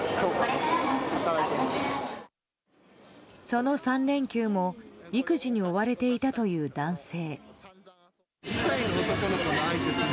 その３連休も育児に追われていたという男性。